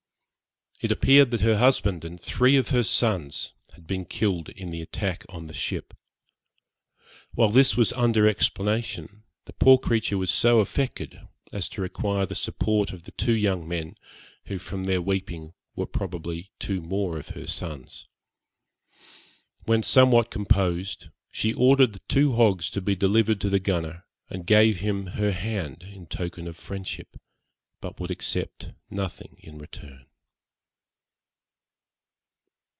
It appeared that her husband and three of her sons had been killed in the attack on the ship. While this was under explanation, the poor creature was so affected as to require the support of the two young men, who from their weeping were probably two more of her sons. When somewhat composed, she ordered the two hogs to be delivered to the gunner, and gave him her hand in token of friendship, but would accept nothing in return.